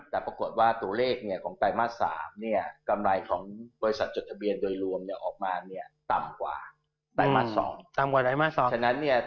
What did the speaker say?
แต่ปรากฏว่าตัวเลขของไตรมาส๓กำไรของบริษัทจดทะเบียนโดยรวมออกมาต่ำกว่าไตรมาส๒